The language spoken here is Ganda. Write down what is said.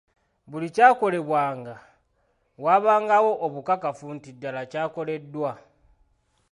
Buli kyakolebwanga waabangawo obukakafu nti ddala kyakoleddwa.